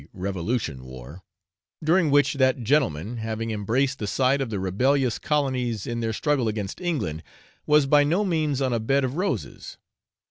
revolution war), during which that gentleman, having embraced the side of the rebellious colonies in their struggle against England, was by no means on a bed of roses.